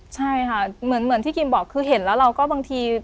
ใช่ค่ะเหมือนที่กิมบอกคือเห็นแล้วเราก็บางที